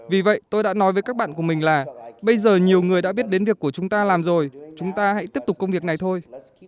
vì vậy tôi đã nói với các bạn của mình là bây giờ nhiều người đã biết đến việc của chúng ta làm rồi chúng ta hãy tiếp tục công việc này thôi